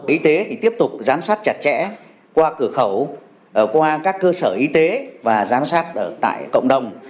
y tế tiếp tục giám sát chặt chẽ qua cửa khẩu qua các cơ sở y tế và giám sát ở tại cộng đồng